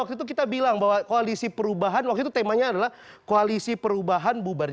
waktu itu kita bilang bahwa koalisi perubahan waktu itu temanya adalah koalisi perubahan bubar